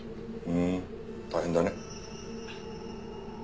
ふん大変だね。